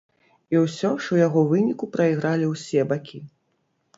І ўсё ж у яго выніку прайгралі ўсе бакі.